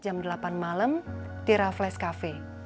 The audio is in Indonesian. jam delapan malam tira flash cafe